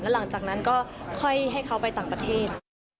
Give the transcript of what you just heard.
หลังจากนั้นก็ค่อยให้เขาไปต่างประเทศ